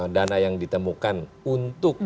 dana yang ditemukan untuk